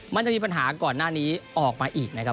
มันจะมีปัญหาก่อนหน้านี้ออกมาอีกนะครับ